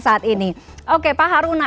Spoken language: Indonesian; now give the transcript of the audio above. saat ini oke pak haruna